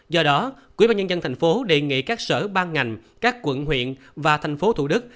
do đó quỹ ba nhân dân thành phố đề nghị các sở ban ngành các quận huyện và thành phố thủ đức